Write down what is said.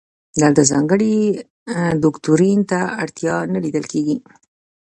دلته ځانګړي دوکتورین ته اړتیا نه لیدل کیږي.